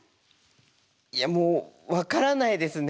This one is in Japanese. いやもう分からないですね。